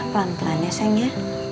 pelan pelan ya sayang ya